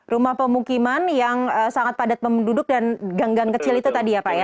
rumah pemukiman yang sangat padat penduduk dan ganggang kecil itu tadi ya pak ya